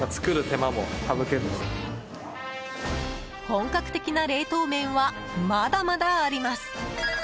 本格的な冷凍麺はまだまだあります。